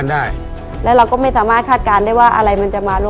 ในแคมเปญพิเศษเกมต่อชีวิตโรงเรียนของหนู